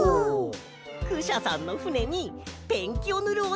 クシャさんのふねにペンキをぬるおてつだいしたんだ！